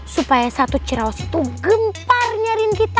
supaya satu ciraus itu gempar nyariin kita